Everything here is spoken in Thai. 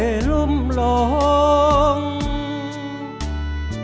เพลงพร้อมร้องได้ให้ล้าน